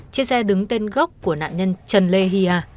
chiếc xe đứng tên gốc của nạn nhân trần lê hy a